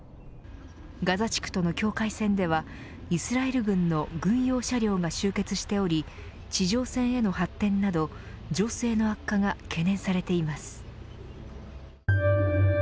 ガザ地区との境界線ではイスラエル軍の軍用車両が集結しており地上戦への発展など情勢の悪化が懸念されています。